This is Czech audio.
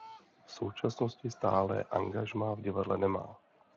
V současnosti stálé angažmá v divadle nemá.